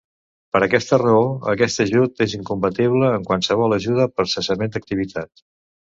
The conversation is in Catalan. Per aquesta raó, aquest ajut és incompatible amb qualsevol ajuda per cessament d'activitat.